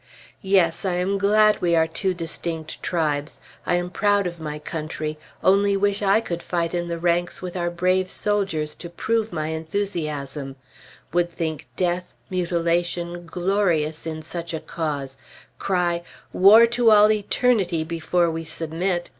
Yes! I am glad we are two distinct tribes! I am proud of my country; only wish I could fight in the ranks with our brave soldiers, to prove my enthusiasm; would think death, mutilation, glorious in such a cause; cry, "War to all eternity before we submit."